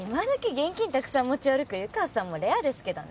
現金たくさん持ち歩く湯川さんもレアですけどね。